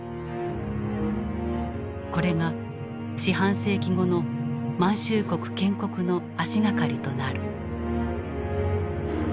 これが四半世紀後の「満州国」建国の足がかりとなる。